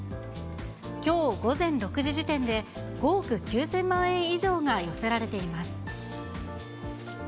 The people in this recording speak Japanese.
きょう午前６時時点で、５億９０００万円以上が寄せられています。